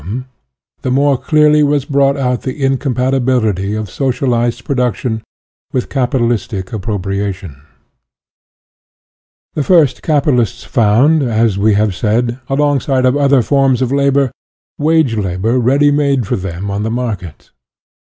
IO4 SOCIALISM the more clearly was brought out the in compatibility of socialised production with capitalistic appropriation. The first capitalists found, as we have said, alongside of other forms of labor, wage labor ready made for them on the market.